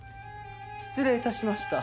失礼致しました。